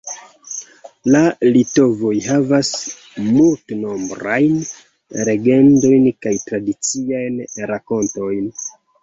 La litovoj havas multnombrajn legendojn kaj tradiciajn rakontojn.